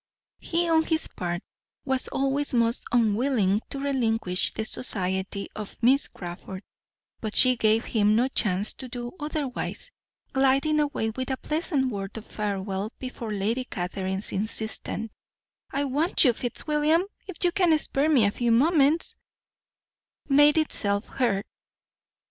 He, on his part, was always most unwilling to relinquish the society of Miss Crawford, but she gave him no chance to do otherwise, gliding away with a pleasant word of farewell before Lady Catherine's insistent "I want you, Fitzwilliam, if you can spare me a few moments," made itself heard.